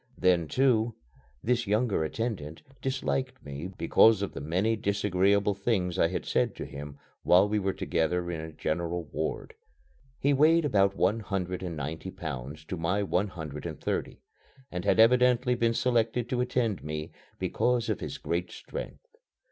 Then, too, this younger attendant disliked me because of the many disagreeable things I had said to him while we were together in a general ward. He weighed about one hundred and ninety pounds to my one hundred and thirty, and had evidently been selected to attend me because of his great strength.